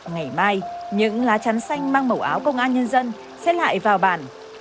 ngày mai những lá chắn xanh mang màu áo công an nhân dân sẽ lại vào bản